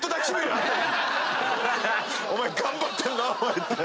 お前頑張ってるなって。